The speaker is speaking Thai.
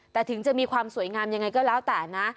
แต่ถึงจะมีความสวยงามยังไงก็แล้วแต่นะ